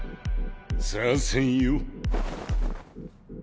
させんよ。